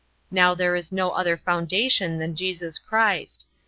Now there is no other foundation than Jesus Christ.